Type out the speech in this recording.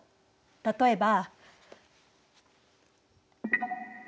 例えば。